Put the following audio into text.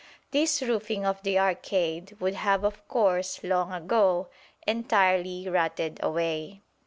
This roofing of the arcade would have of course long ago entirely rotted away.